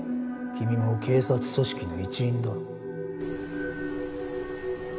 君も警察組織の一員だろ。